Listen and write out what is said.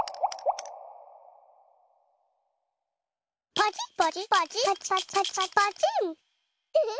パチパチパチパチ。